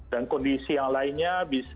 dan kondisi yang lainnya